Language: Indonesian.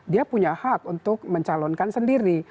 dia punya hak untuk mencalonkan sendiri